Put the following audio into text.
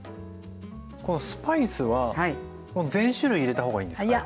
このスパイスはこの全種類入れた方がいいんですかやっぱり。